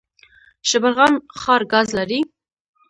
شبرغان ښار ګاز لري؟